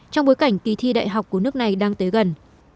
trong bối cảnh kỳ thi đại học của nước này đang tới gần